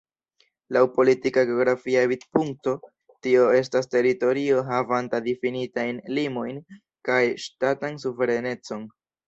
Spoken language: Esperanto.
Laŭ politika-geografia vidpunkto, tio estas teritorio havanta difinitajn limojn kaj ŝtatan suverenecon.